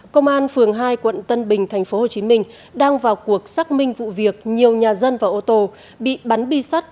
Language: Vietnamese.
công an phường hai quận tân bình tp hcm đang vào cuộc xác minh vụ việc nhiều nhà dân và ô tô bị bắn bi sắt